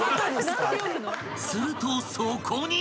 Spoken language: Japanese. ［するとそこに］